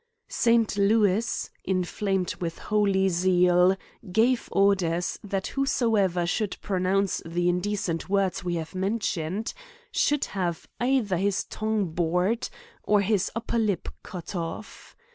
St. Louis, inflamed with holy zeal, gave orders, that whosoever should pronounce the in decent words we have mentioned, should have, either his tongue bored, or his upper lip cut off.